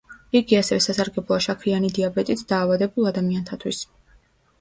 იგი ასევე სასარგებლოა შაქრიანი დიაბეტით დაავადებულ ადამიანთათვის.